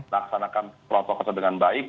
laksanakan protokol dengan baik